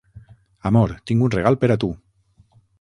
Amor, tinc un regal per a tu.